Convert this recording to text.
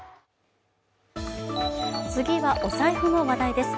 次は、お財布の話題です。